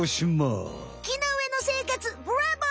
木の上の生活ブラボー！